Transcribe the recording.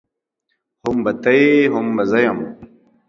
هم به ته يې هم به زه يم.